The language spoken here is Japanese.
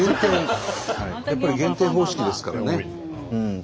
やっぱり減点方式ですからね。